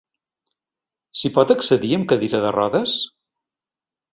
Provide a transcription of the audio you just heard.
S'hi pot accedir amb cadira de rodes?